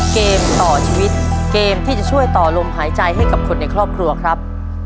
เกมต่อชีวิตเกมที่จะช่วยต่อลมหายใจให้กับคนในครอบครัวครับ